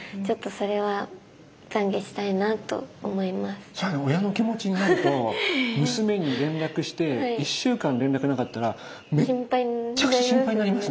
それは親の気持ちになると娘に連絡して１週間連絡なかったらめっちゃくちゃ心配になりますね。